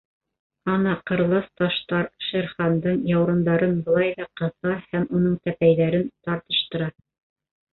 Ана, ҡырлас таштар Шер Хандың яурындарын былай ҙа ҡыҫа һәм уның тәпәйҙәрен тартыштыра.